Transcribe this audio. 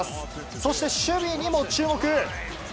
そして守備にも注目。